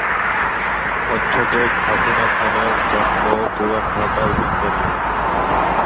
অধ্যাপক হাসিনা খানের জন্ম পুরান ঢাকার গেন্ডারিয়ায়।